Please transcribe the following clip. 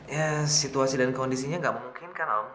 ya situasi dan kondisinya gak mungkin kan om